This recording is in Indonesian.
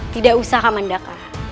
tidak usah kamandaka